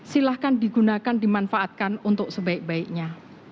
silahkan digunakan dimanfaatkan untuk sebaik baiknya